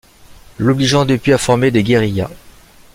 L'obligeant depuis à former des guérillas.